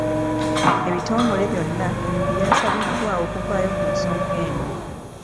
Ebitongole byonna byasabiddwa okuvaayo ku nsonga eno.